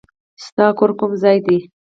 ستا کور کوم ځای دی؟